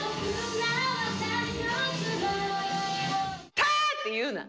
たーって言うな！